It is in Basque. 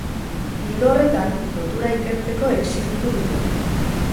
Ildo horretan, lotura ikertzeko exijitu dute.